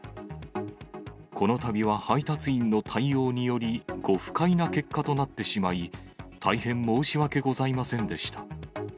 このたびは配達員の対応により、ご不快な結果となってしまい、大変申し訳ございませんでした。